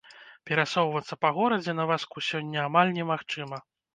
Перасоўвацца па горадзе на вазку сёння амаль немагчыма.